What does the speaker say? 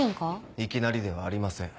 いきなりではありません。